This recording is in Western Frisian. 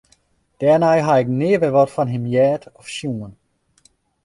Dêrnei ha ik nea wer wat fan him heard of sjoen.